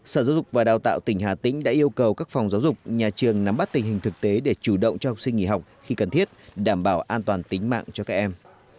sở giáo dục và đào tạo tỉnh hà tĩnh đã yêu cầu các phòng giáo dục nhà trường nắm bắt tình hình thực tế để chủ động cho học sinh nghỉ học khi cần thiết đảm bảo an toàn tính mạng cho các em